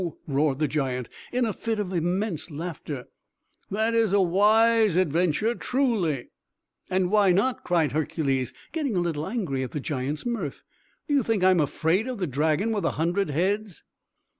roared the giant, in a fit of immense laughter. "That is a wise adventure, truly!" "And why not?" cried Hercules, getting a little angry at the giant's mirth. "Do you think I am afraid of the dragon with a hundred heads!"